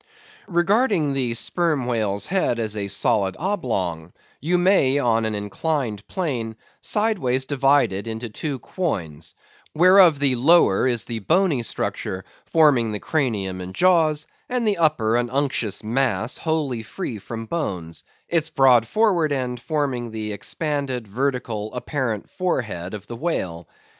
Regarding the Sperm Whale's head as a solid oblong, you may, on an inclined plane, sideways divide it into two quoins,* whereof the lower is the bony structure, forming the cranium and jaws, and the upper an unctuous mass wholly free from bones; its broad forward end forming the expanded vertical apparent forehead of the whale.